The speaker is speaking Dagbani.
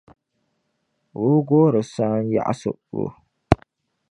o bi goori saanyaɣisibu.